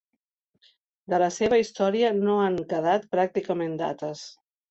De la seva història no han quedat pràcticament dates.